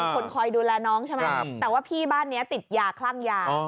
คนคอยดูแลน้องใช่ไหมแต่ว่าพี่บ้านนี้ติดยาคลั่งยา